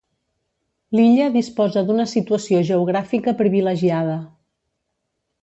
Lilla disposa d'una situació geogràfica privilegiada.